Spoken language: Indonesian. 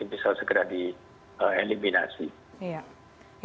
bisa segera dieliminasi